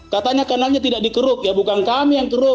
katanya kanalnya tidak dikeruk ya bukan kami yang keruk